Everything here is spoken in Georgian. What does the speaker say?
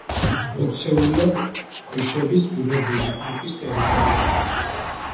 მოქცეულია ოქროს ქვიშების ბუნებრივი პარკის ტერიტორიაზე.